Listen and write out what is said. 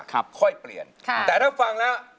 ค่อยเปลี่ยนค่ะแต่ถ้าฟังแล้ว